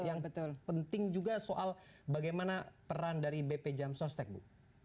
yang penting juga soal bagaimana peran dari bp jamstok stek bu